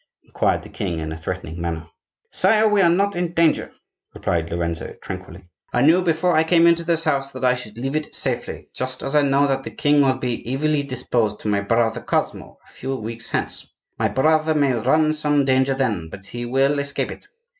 inquired the king, in a threatening manner. "Sire, we are not in any danger," replied Lorenzo, tranquilly. "I knew before I came into this house that I should leave it safely, just as I know that the king will be evilly disposed to my brother Cosmo a few weeks hence. My brother may run some danger then, but he will escape it.